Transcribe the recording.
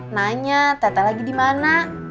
nanya teteh lagi dimana